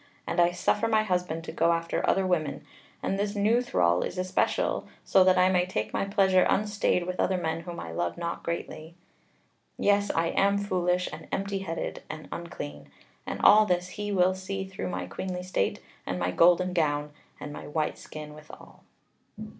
And I suffer my husband to go after other women, and this new thrall is especial, so that I may take my pleasure unstayed with other men whom I love not greatly. Yes, I am foolish, and empty headed, and unclean. And all this he will see through my queenly state, and my golden gown, and my white skin withal."